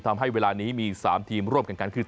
ทำให้เวลานี้มี๓ทีมร่วมกันกันคือ